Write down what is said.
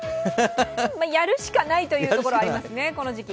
やるしかないというところはありますね、この時期。